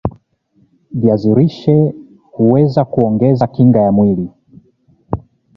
viazi lishe huweza kuongeza kinga ya mwili